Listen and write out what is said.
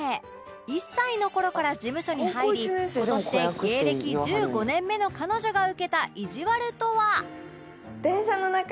１歳の頃から事務所に入り今年で芸歴１５年目の彼女が受けたいじわるとは？